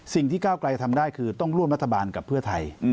ก้าวไกลทำได้คือต้องร่วมรัฐบาลกับเพื่อไทย